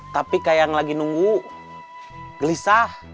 tapi kayak yang lagi nunggu gelisah